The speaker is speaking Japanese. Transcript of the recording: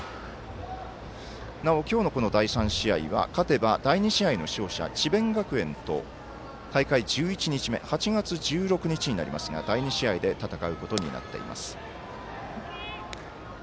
なお、今日の第３試合は勝てば第２試合の勝者智弁学園と大会１１日目８月１６日になりますが第２試合で戦うことになっています。